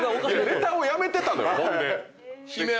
ネタをやめてたのよほんで。